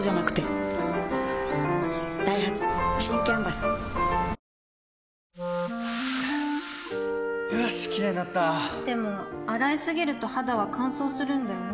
９時よよしキレイになったでも、洗いすぎると肌は乾燥するんだよね